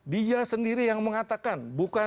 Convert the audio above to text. dia sendiri yang mengatakan